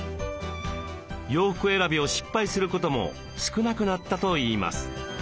洋服選びを失敗することも少なくなったといいます。